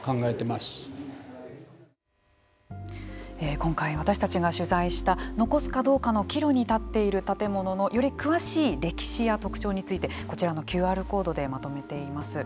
今回私たちが取材した残すかどうかの岐路に立っている建物のより詳しい歴史や特徴についてこちらのＱＲコードでまとめています。